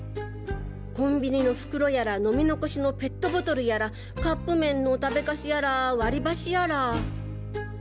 コンビニの袋やら飲み残しのペットボトルやらカップ麺の食べカスやら割り箸やら。